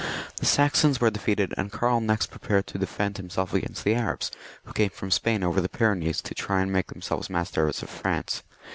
The Saxons were defeated, and Karl next prepared to defend himself against the Arabs, who came from Spain over the Pyrenees to try and make themselves masters of France.